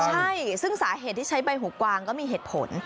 ใช่ซึ่งสาเหตุที่ใช้ใบหูกวางก็มีเหตุผล